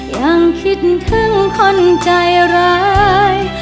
ยังคิดถึงคนใจร้าย